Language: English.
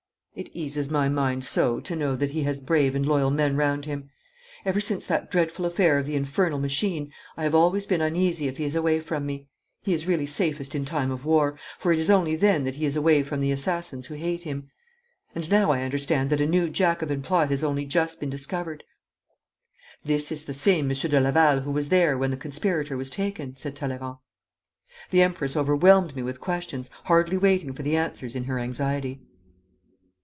'It eases my mind so to know that he has brave and loyal men round him. Ever since that dreadful affair of the infernal machine I have always been uneasy if he is away from me. He is really safest in time of war, for it is only then that he is away from the assassins who hate him. And now I understand that a new Jacobin plot has only just been discovered.' 'This is the same Monsieur de Laval who was there when the conspirator was taken,' said Talleyrand. The Empress overwhelmed me with questions, hardly waiting for the answers in her anxiety.